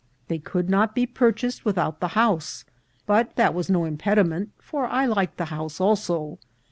They could not be purchased without the house ; but that was no impediment, for I liked the house also.